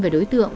về đối tượng